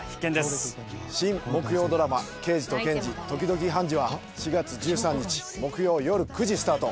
桐谷：新木曜ドラマ『ケイジとケンジ、時々ハンジ。』は４月１３日木曜よる９時スタート。